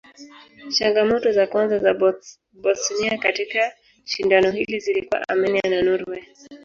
Changamoto za kwanza za Bosnia katika shindano hili zilikuwa Armenia na Norway.